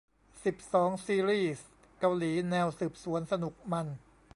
สิบสอง ซีรีส์เกาหลีแนวสืบสวน สนุก มัน